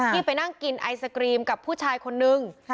ไปนั่งกินไอศกรีมกับผู้ชายคนนึง